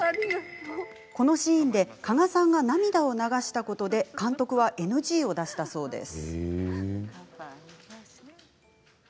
このシーンで加賀さんが涙を流したことで監督はＮＧを出したそうです。